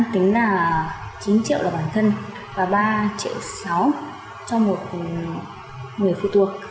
chín triệu là bản thân và ba triệu sáu cho một người phụ thuộc